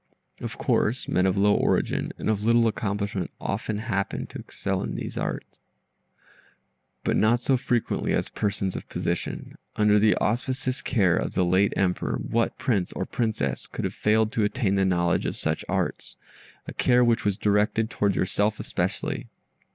Of course men of low origin, and of little accomplishment, often happen to excel in these arts, but not so frequently as persons of position. Under the auspicious care of the late Emperor, what prince or princess could have failed to attain the knowledge of such arts? a care which was directed towards yourself especially.